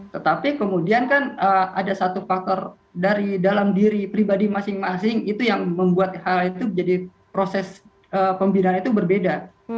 tetapi kemudian kan ada satu faktor dari dalam diri pribadi masing masing itu yang membuat hal itu jadi proses pembinaan itu berbeda